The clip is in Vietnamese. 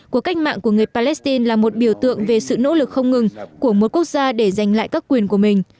cuộc cách mạng của người palestine là một biểu tượng về sự nỗ lực không ngừng của một quốc gia để giành lại các quyền của mình